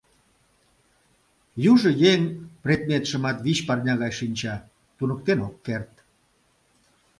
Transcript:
Южо еҥ предметшымат вич парня гай шинча, туныктен ок керт.